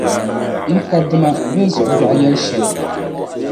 n ka dima bee zuɣubiɛɣu yɛl’ shɛli.